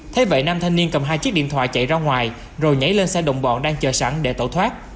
thế vậy nam thanh niên cầm hai chiếc điện thoại chạy ra ngoài rồi nhảy lên xe đồng bọn đang chờ sẵn để tẩu thoát